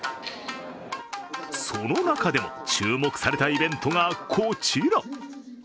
その中でも注目されたイベントがこちら！